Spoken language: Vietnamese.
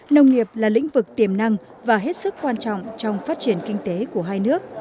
nông nghiệp là lĩnh vực tiềm năng và hết sức quan trọng trong phát triển kinh tế của hai nước